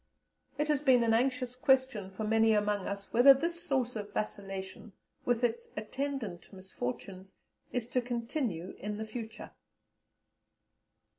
It has been an anxious question for many among us whether this source of vacillation, with its attendant misfortunes, is to continue in the future.